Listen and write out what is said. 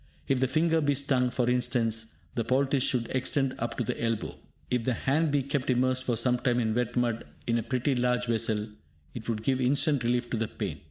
If the finger be stung, for instance, the poultice should extend up to the elbow. If the hand be kept immersed for sometime in wet mud in a pretty large vessel, it would give instant relief to the pain.